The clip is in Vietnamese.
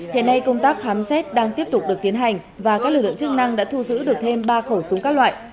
hiện nay công tác khám xét đang tiếp tục được tiến hành và các lực lượng chức năng đã thu giữ được thêm ba khẩu súng các loại